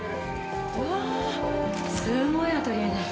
うわあすごいアトリエね。